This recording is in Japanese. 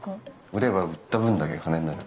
売れば売った分だけ金になる。